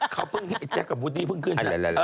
เขาเพิ่งให้ไอ้แจ๊คกับวูดดี้เพิ่งขึ้น